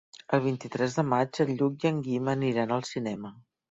El vint-i-tres de maig en Lluc i en Guim aniran al cinema.